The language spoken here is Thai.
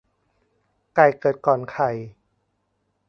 ไก่เกิดก่อนไข่